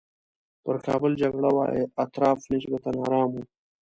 پر کابل جګړه وه اطراف نسبتاً ارام وو.